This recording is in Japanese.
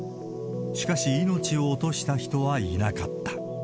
しかし、命を落とした人はいなかった。